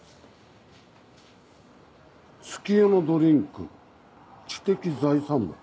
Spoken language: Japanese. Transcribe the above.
「月夜野ドリンク知的財産部」。